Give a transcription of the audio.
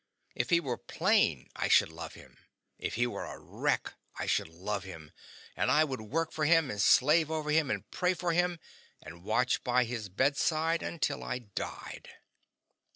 If he were plain, I should love him; if he were a wreck, I should love him; and I would work for him, and slave over him, and pray for him, and watch by his bedside until I died.